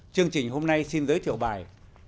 chương trình hôm nay xin giới thiệu bài